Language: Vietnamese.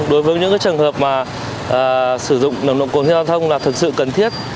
đối với những trường hợp mà sử dụng nồng độ cồn xe giao thông là thực sự cần thiết